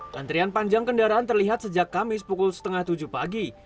antrian panjang kendaraan terlihat sejak kamis pukul setengah tujuh pagi